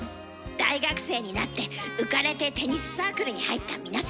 大学生になって浮かれてテニスサークルに入った皆さん。